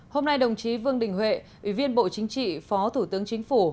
hôm nay đồng chí vương đình huệ ủy viên bộ chính trị phó thủ tướng chính phủ